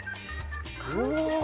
かんきつ？